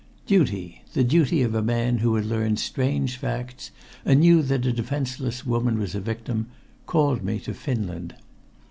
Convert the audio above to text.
Duty the duty of a man who had learned strange facts and knew that a defenseless woman was a victim called me to Finland.